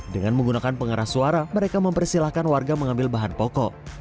dengan menggunakan pengeras suara mereka mempersilahkan warga mengambil bahan pokok